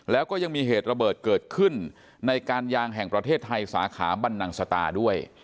แล้วก็ยังมีเหตุระเบิดเกิดขึ้นในการยางแห่งประเทศไทยสาขาบันนังสตาด้วย